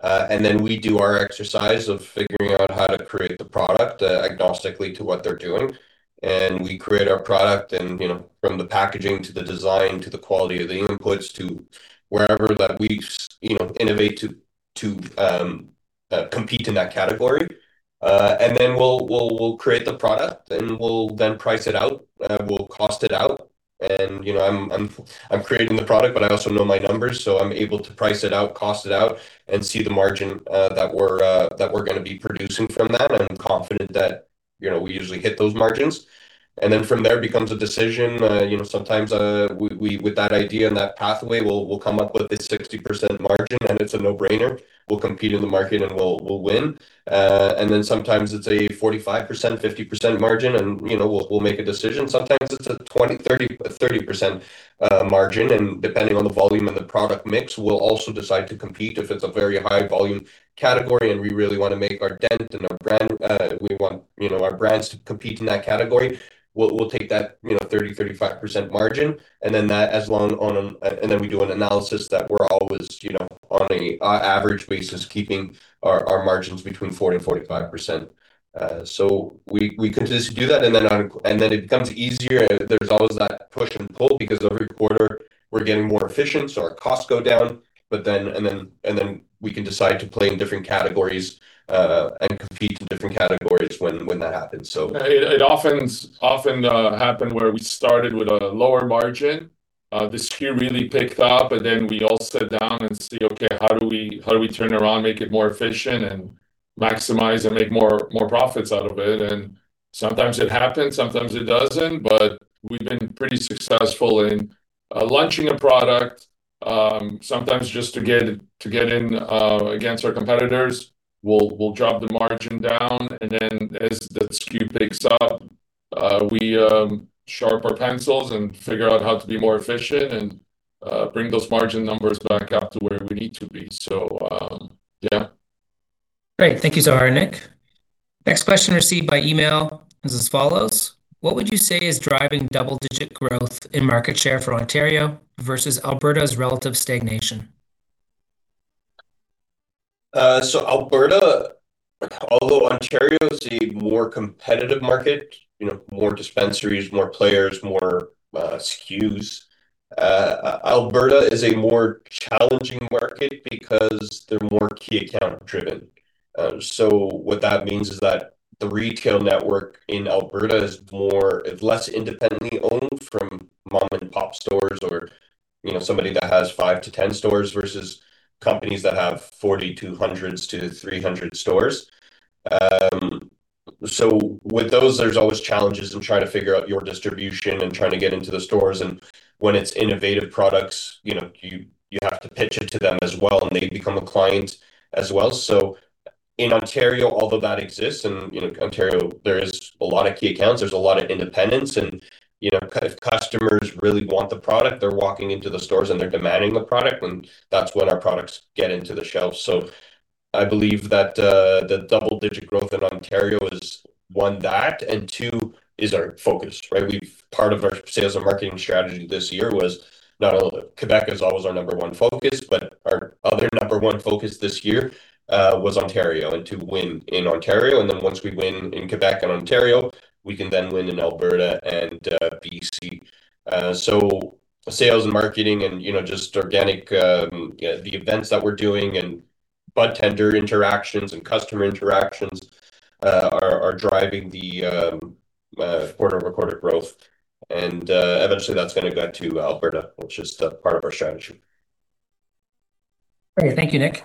Then we do our exercise of figuring out how to create the product agnostically to what they're doing. We create our product from the packaging to the design to the quality of the inputs to wherever that we innovate to compete in that category. Then we'll create the product, and we'll then price it out. We'll cost it out. I'm creating the product, but I also know my numbers, so I'm able to price it out, cost it out, and see the margin that we're going to be producing from that. I'm confident that we usually hit those margins. Then from there becomes a decision. Sometimes with that idea and that pathway, we'll come up with a 60% margin, and it's a no-brainer. We'll compete in the market, and we'll win. And then sometimes it's a 45%, 50% margin, and we'll make a decision. Sometimes it's a 30% margin. And depending on the volume and the product mix, we'll also decide to compete. If it's a very high-volume category and we really want to make our dent and our brand, we want our brands to compete in that category, we'll take that 30%-35% margin. And then that, as long on and then we do an analysis that we're always on an average basis, keeping our margins between 40%-45%. So we continue to do that. And then it becomes easier. There's always that push and pull because every quarter we're getting more efficient, so our costs go down. And then we can decide to play in different categories and compete in different categories when that happens. So it often happened where we started with a lower margin. The SKU really picked up, and then we all sit down and see, "Okay, how do we turn around, make it more efficient, and maximize and make more profits out of it?" And sometimes it happens. Sometimes it doesn't. But we've been pretty successful in launching a product. Sometimes just to get in against our competitors, we'll drop the margin down. And then as the SKU picks up, we sharpen our pencils and figure out how to be more efficient and bring those margin numbers back up to where we need to be. So yeah. Great. Thank you, Zohar, Nick. Next question received by email is as follows. What would you say is driving double-digit growth in market share for Ontario versus Alberta's relative stagnation? So Alberta, although Ontario is a more competitive market, more dispensaries, more players, more SKUs, Alberta is a more challenging market because they're more key account-driven. So what that means is that the retail network in Alberta is less independently owned from mom-and-pop stores or somebody that has five-10 stores versus companies that have 40, 200-300 stores. So with those, there's always challenges in trying to figure out your distribution and trying to get into the stores. And when it's innovative products, you have to pitch it to them as well, and they become a client as well. So in Ontario, although that exists, and in Ontario, there is a lot of key accounts. There's a lot of independence. If customers really want the product, they're walking into the stores, and they're demanding the product. That's when our products get into the shelves. I believe that the double-digit growth in Ontario is, one, that, and two, our focus, right? Part of our sales and marketing strategy this year was, not Quebec is always our number one focus, but our other number one focus this year was Ontario and to win in Ontario. Then once we win in Quebec and Ontario, we can then win in Alberta and BC. Sales and marketing and just organic, the events that we're doing and budtender interactions and customer interactions are driving the quarter-over-quarter growth. Eventually, that's going to go to Alberta, which is part of our strategy. Great. Thank you, Nick.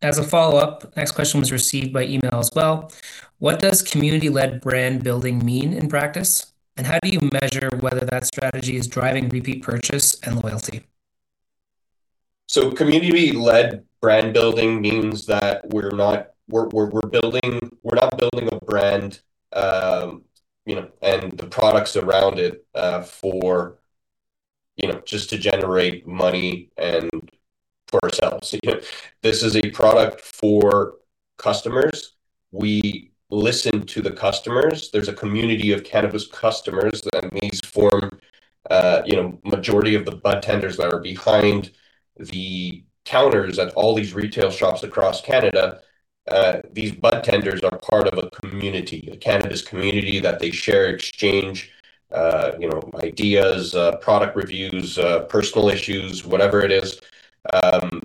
As a follow-up, next question was received by email as well. What does community-led brand building mean in practice? And how do you measure whether that strategy is driving repeat purchase and loyalty? So community-led brand building means that we're not building a brand and the products around it just to generate money for ourselves. This is a product for customers. We listen to the customers. There's a community of cannabis customers that these form, majority of the budtenders that are behind the counters at all these retail shops across Canada. These budtenders are part of a community, a cannabis community that they share, exchange ideas, product reviews, personal issues, whatever it is.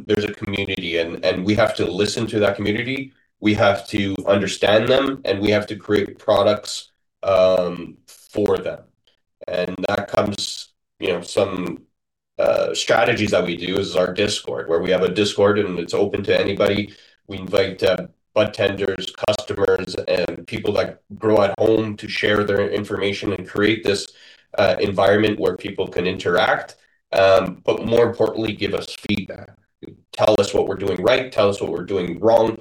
There's a community. And we have to listen to that community. We have to understand them, and we have to create products for them. And that comes some strategies that we do is our Discord, where we have a Discord, and it's open to anybody. We invite budtenders, customers, and people that grow at home to share their information and create this environment where people can interact. But more importantly, give us feedback. Tell us what we're doing right. Tell us what we're doing wrong.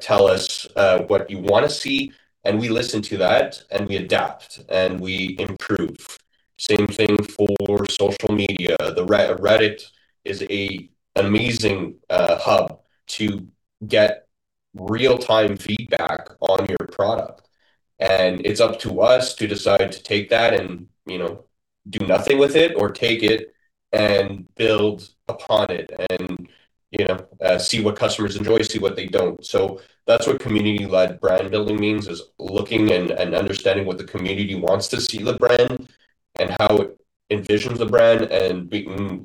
Tell us what you want to see. And we listen to that, and we adapt, and we improve. Same thing for social media. Reddit is an amazing hub to get real-time feedback on your product. And it's up to us to decide to take that and do nothing with it or take it and build upon it and see what customers enjoy, see what they don't. So that's what community-led brand building means, is looking and understanding what the community wants to see the brand and how it envisions the brand and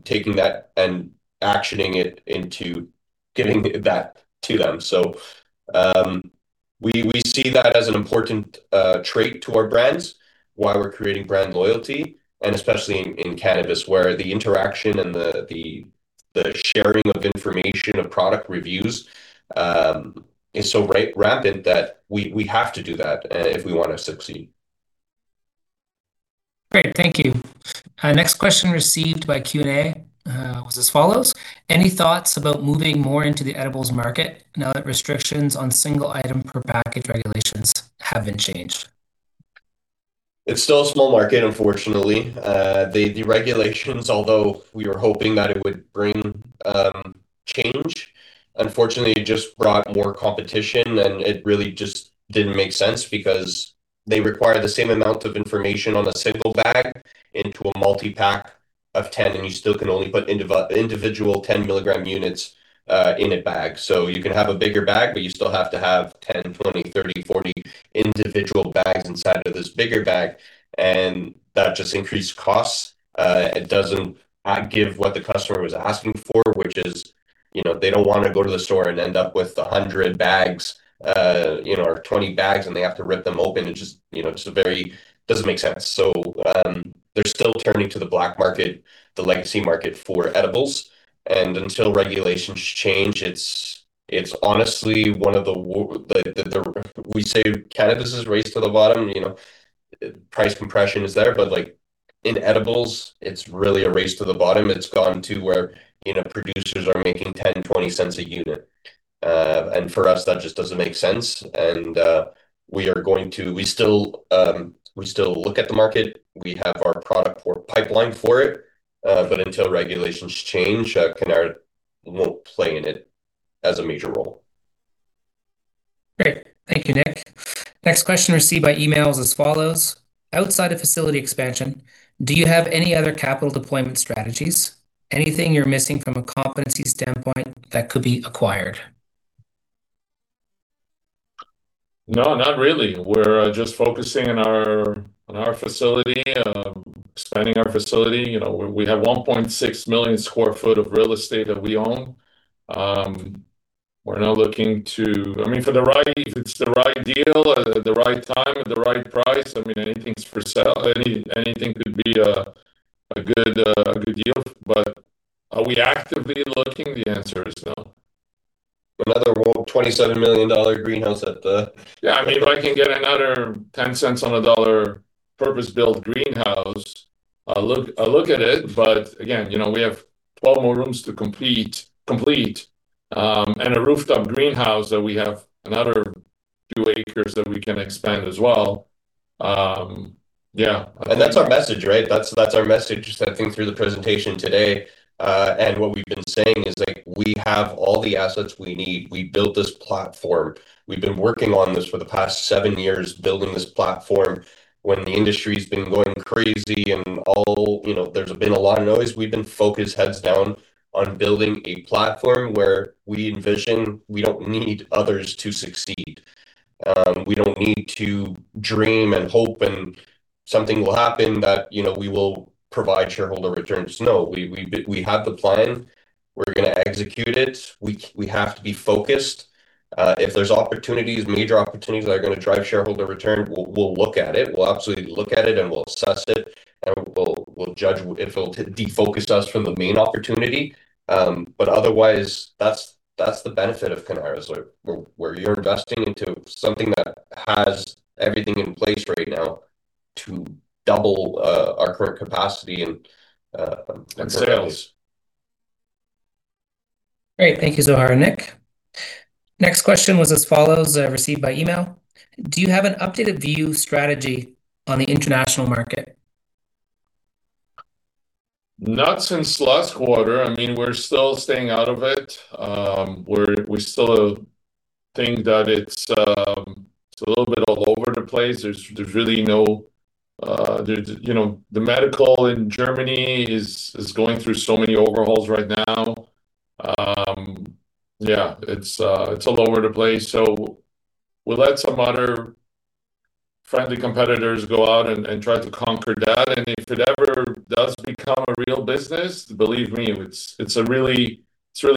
taking that and actioning it into getting that to them. So we see that as an important trait to our brands, why we're creating brand loyalty, and especially in cannabis, where the interaction and the sharing of information, of product reviews, is so rampant that we have to do that if we want to succeed. Great. Thank you. Next question received by Q&A was as follows. Any thoughts about moving more into the edibles market now that restrictions on single item per package regulations have been changed? It's still a small market, unfortunately. The regulations, although we were hoping that it would bring change, unfortunately, it just brought more competition, and it really just didn't make sense because they require the same amount of information on a single bag into a multi-pack of 10, and you still can only put individual 10 mg units in a bag. So you can have a bigger bag, but you still have to have 10, 20, 30, 40 individual bags inside of this bigger bag. That just increased costs. It doesn't give what the customer was asking for, which is they don't want to go to the store and end up with 100 bags or 20 bags, and they have to rip them open. It's just very doesn't make sense. So they're still turning to the black market, the legacy market for edibles. Until regulations change, it's honestly one of the we say cannabis is race to the bottom. Price compression is there, but in edibles, it's really a race to the bottom. It's gone to where producers are making 0.10, 0.20 a unit. For us, that just doesn't make sense. We are going to we still look at the market. We have our product pipeline for it. But until regulations change, cannabis won't play in it as a major role. Great. Thank you, Nick. Next question received by email is as follows. Outside of facility expansion, do you have any other capital deployment strategies? Anything you're missing from a competency standpoint that could be acquired? No, not really. We're just focusing on our facility, expanding our facility. We have 1.6 million sq ft of real estate that we own. We're now looking to, I mean, for the right, if it's the right deal, the right time, the right price, I mean, anything's for sale. Anything could be a good deal. But are we actively looking? The answer is no. Another CAD 27 million greenhouse at the, yeah, I mean, if I can get another 10 cents on a dollar purpose-built greenhouse, I'll look at it. But again, we have 12 more rooms to complete and a rooftop greenhouse that we have another few acres that we can expand as well. Yeah. And that's our message, right? That's our message that came through the presentation today. And what we've been saying is we have all the assets we need. We built this platform. We've been working on this for the past seven years, building this platform. When the industry has been going crazy and there's been a lot of noise, we've been focused heads down on building a platform where we envision we don't need others to succeed. We don't need to dream and hope and something will happen that we will provide shareholder returns. No, we have the plan. We're going to execute it. We have to be focused. If there's opportunities, major opportunities that are going to drive shareholder return, we'll look at it. We'll absolutely look at it, and we'll assess it, and we'll judge if it'll defocus us from the main opportunity. But otherwise, that's the benefit of Cannara's, where you're investing into something that has everything in place right now to double our current capacity and sales. Great. Thank you, Zohar, Nick. Next question was as follows received by email. Do you have an updated view or strategy on the international market? Not since last quarter. I mean, we're still staying out of it. We still think that it's a little bit all over the place. There's really no. The medical in Germany is going through so many overhauls right now. Yeah, it's all over the place. So we'll let some other friendly competitors go out and try to conquer that. And if it ever does become a real business, believe me, it's really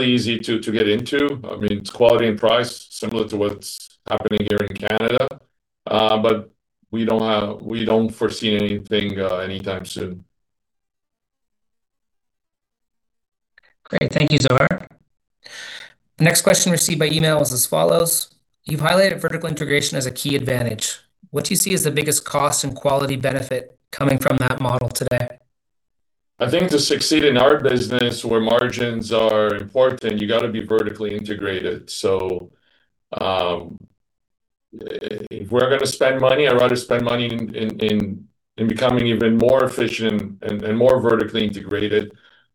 easy to get into. I mean, it's quality and price, similar to what's happening here in Canada. But we don't foresee anything anytime soon. Great. Thank you, Zohar. Next question received by email is as follows. You've highlighted vertical integration as a key advantage. What do you see as the biggest cost and quality benefit coming from that model today? I think to succeed in our business, where margins are important, you got to be vertically integrated. So if we're going to spend money, I'd rather spend money in becoming even more efficient and more vertically integrated.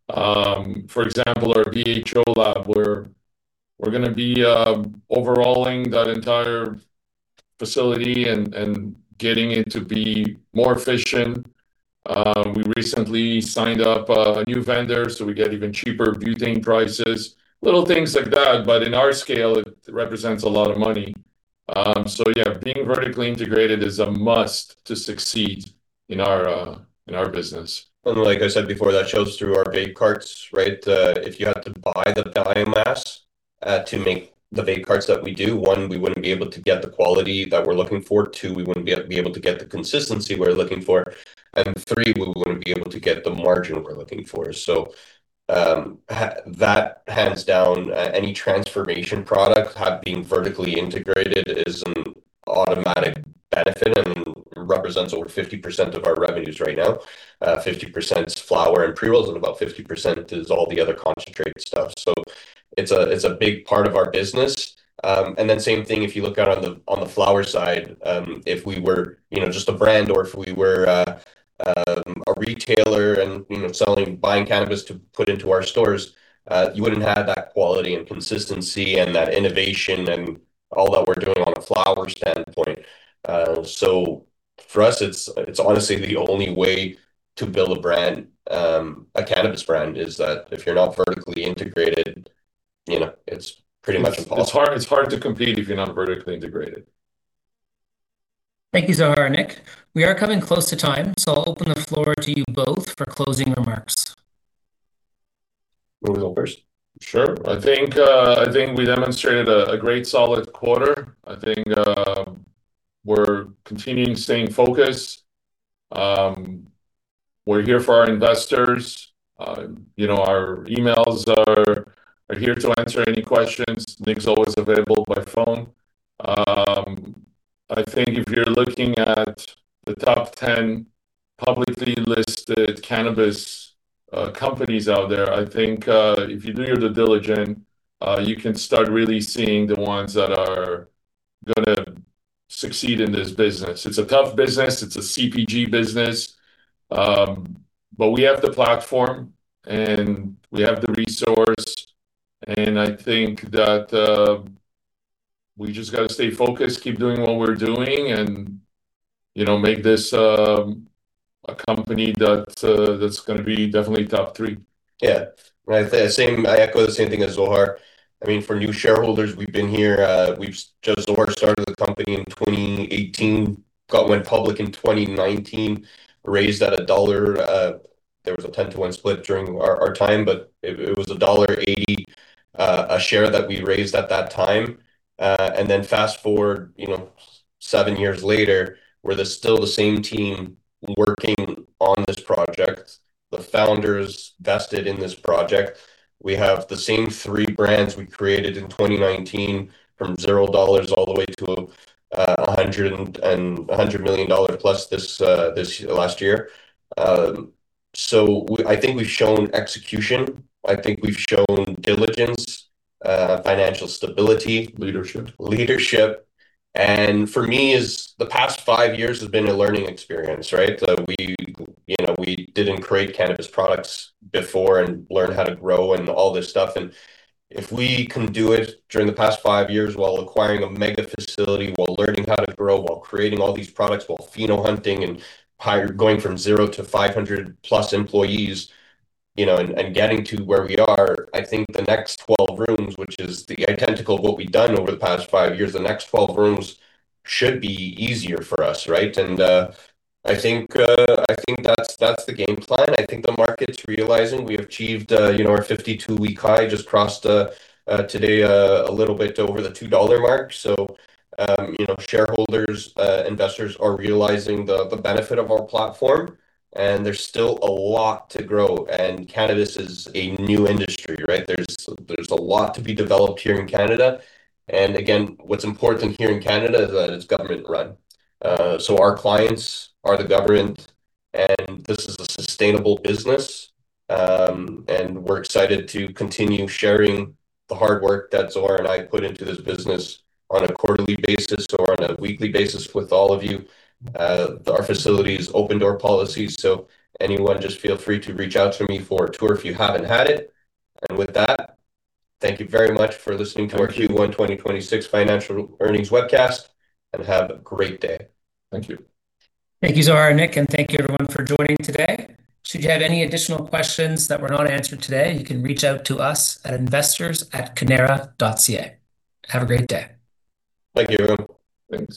For example, our BHO lab, we're going to be overhauling that entire facility and getting it to be more efficient. We recently signed up a new vendor, so we get even cheaper butane prices, little things like that. But in our scale, it represents a lot of money. So yeah, being vertically integrated is a must to succeed in our business. Like I said before, that shows through our vape carts, right? If you had to buy the biomass to make the vape carts that we do, one, we wouldn't be able to get the quality that we're looking for. Two, we wouldn't be able to get the consistency we're looking for. And three, we wouldn't be able to get the margin we're looking for. So that hands down, any transformation product being vertically integrated is an automatic benefit and represents over 50% of our revenues right now. 50% is flower and pre-rolls, and about 50% is all the other concentrated stuff. So it's a big part of our business. Same thing, if you look at it on the flower side, if we were just a brand or if we were a retailer and selling, buying cannabis to put into our stores, you wouldn't have that quality and consistency and that innovation and all that we're doing on a flower standpoint. So for us, it's honestly the only way to build a brand, a cannabis brand, is that if you're not vertically integrated, it's pretty much impossible. It's hard to compete if you're not vertically integrated. Thank you, Zohar and Nick. We are coming close to time, so I'll open the floor to you both for closing remarks. Zohar, wanna go first? Sure. I think we demonstrated a great solid quarter. I think we're continuing to stay in focus. We're here for our investors. Our emails are here to answer any questions. Nick's always available by phone. I think if you're looking at the top 10 publicly listed cannabis companies out there, I think if you do your due diligence, you can start really seeing the ones that are going to succeed in this business. It's a tough business. It's a CPG business. But we have the platform, and we have the resource. And I think that we just got to stay focused, keep doing what we're doing, and make this a company that's going to be definitely top 3. Yeah. Right. I echo the same thing as Zohar. I mean, for new shareholders, we've been here. We've just Zohar started the company in 2018, went public in 2019, raised at CAD 1. There was a 10-to-one split during our time, but it was dollar 1.80 a share that we raised at that time. Then fast forward seven years later, we're still the same team working on this project. The founders vested in this project. We have the same three brands we created in 2019 from zero dollars all the way to CAD 100 million+ this last year. I think we've shown execution. I think we've shown diligence, financial stability. Leadership. Leadership. For me, the past five years has been a learning experience, right? We didn't create cannabis products before and learn how to grow and all this stuff. And if we can do it during the past five years while acquiring a mega facility, while learning how to grow, while creating all these products, while pheno-hunting and going from zero to 500+ employees and getting to where we are, I think the next 12 rooms, which is the identical of what we've done over the past five years, the next 12 rooms should be easier for us, right? I think that's the game plan. I think the market's realizing we've achieved our 52-week high. Just crossed today a little bit over the 2 dollar mark. So shareholders, investors are realizing the benefit of our platform, and there's still a lot to grow. Cannabis is a new industry, right? There's a lot to be developed here in Canada. Again, what's important here in Canada is that it's government-run. So our clients are the government, and this is a sustainable business. And we're excited to continue sharing the hard work that Zohar and I put into this business on a quarterly basis or on a weekly basis with all of you. Our facility is open-door policy, so anyone just feel free to reach out to me for a tour if you haven't had it. And with that, thank you very much for listening to our Q1 2026 financial earnings webcast, and have a great day. Thank you. Thank you, Zohar and Nick, and thank you everyone for joining today. Should you have any additional questions that were not answered today, you can reach out to us at investors@cannara.ca. Have a great day. Thank you, everyone. Thanks.